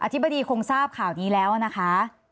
ธิบดีคงทราบข่าวนี้แล้วนะคะ